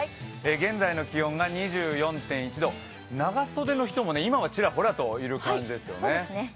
現在の気温が２４．１度長袖の人も今はちらほらといる感じですよね。